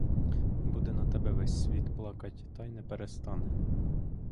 Буде на тебе весь світ плакать, та й не перестане.